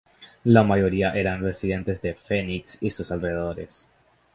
La mayoría eran residentes de Phoenix y sus alrededores.